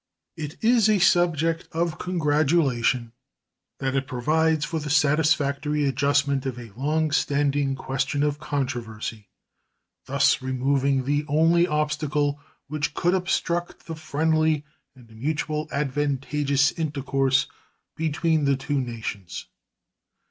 It is a subject of congratulation that it provides for the satisfactory adjustment of a long standing question of controversy, thus removing the only obstacle which could obstruct the friendly and mutually advantageous intercourse between the two nations.